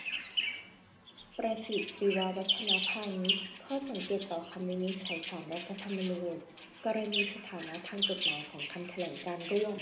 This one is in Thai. ประสิทธิ์ ปิวาวัฒนพานิช : ข้อสังเกตต่อคำวินิจฉัยศาลรัฐธรรมนูญ กรณีสถานะทางกฎหมายของคำแถลงการณ์ร่วม